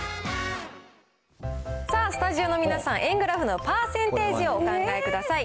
さあ、スタジオの皆さん、円グラフのパーセンテージをお考えください。